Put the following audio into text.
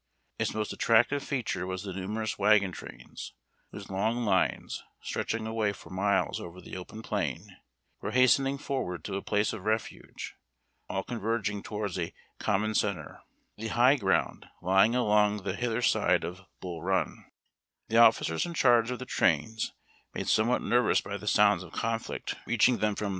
Its most attractive feature was the numerous wagon trains, whose long lines, stretching away for miles over the open plain, were hastening forward to a place of refuge, all converging towards a common centre the high ground lying along the hither side of Bull Run The officers in charge of the trains, made some what nervous by the sounds of conflict reaching them from 368 irARI) TACK AND COFFEE.